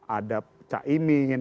ada cak iming